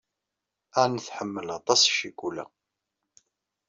Ann tḥemmel aṭas ccikula.